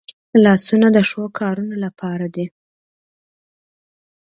لاسونه د ښو کارونو لپاره دي